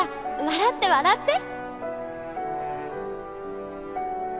笑って笑って